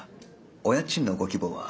お家賃のご希望は。